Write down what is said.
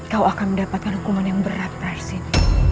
kau akan mendapatkan hukuman yang berat tarsih